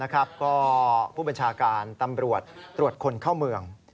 ก็ผู้บัญชาการตำรวจตรวจคนเข้าเมือง